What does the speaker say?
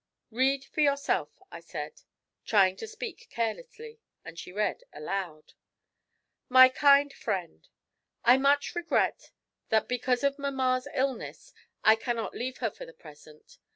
'Read for yourself,' I said, trying to speak carelessly; and she read aloud: '"MY KIND FRIEND, '"I much regret that, because of my mamma's illness, I cannot leave her for the present.